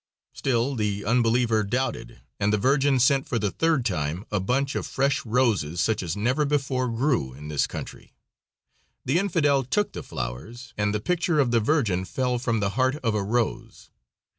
Still the unbeliever doubted, and the Virgin sent for the third time a bunch of fresh roses such as never before grew in this country. The infidel took the flowers, and the picture of the Virgin fell from the heart of a rose.